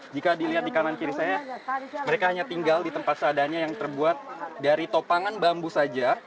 jika dilihat di kanan kiri saya mereka hanya tinggal di tempat seadanya yang terbuat dari topangan bambu saja